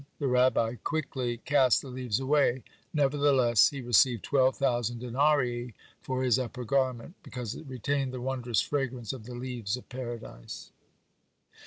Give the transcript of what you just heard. The Rabbi quickly cast the leaves away; nevertheless he received twelve thousand denarii for his upper garment, because it retained the wondrous fragrance of the leaves of Paradise.